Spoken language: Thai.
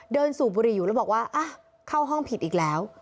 เดินสู่บุรีอยู่แล้วบอกว่าอ๊ะเข้าห้องผิดอีกแล้ว